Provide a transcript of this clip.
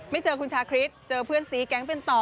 เจอคุณชาคริสเจอเพื่อนซีแก๊งเป็นต่อ